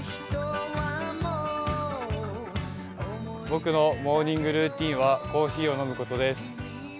僕のモーニングルーチンはコーヒーを飲むことです。